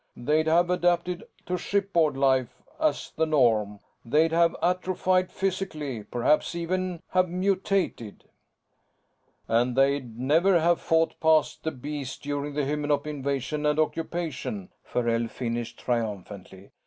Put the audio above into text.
They'd have adapted to shipboard life as the norm. They'd have atrophied physically, perhaps even have mutated " "And they'd never have fought past the Bees during the Hymenop invasion and occupation," Farrell finished triumphantly.